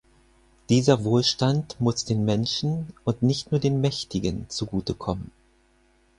Dieser Wohlstand muss den Menschen und nicht nur den Mächtigen zugute kommen.